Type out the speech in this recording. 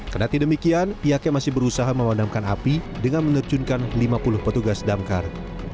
kenati demikian pihaknya masih berusaha memadamkan api dengan menercunkan lima puluh petugas damkar